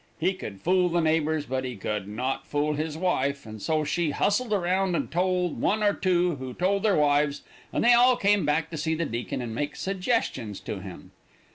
He could fool the neighbors, but he could not fool his wife, and so she hustled around and told one or two, who told their wives, and they all came back to see the deacon and make suggestions to him.